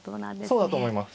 そうだと思います。